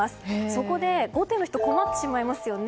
そこで、後手の人は困ってしまいますよね。